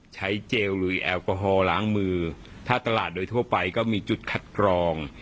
เจลลุยแอลกอฮอลล้างมือถ้าตลาดโดยทั่วไปก็มีจุดคัดกรอง